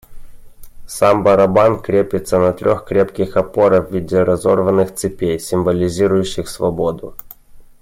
Сам барабан крепится на трех крепких опорах в виде разорванных цепей, символизирующих свободу.